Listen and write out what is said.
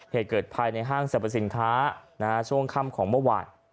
เหตุเกิดภายในห้างสรรพสินค้าช่วงค่ำของเมื่อวาน